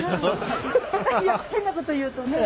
いや変なこと言うとね。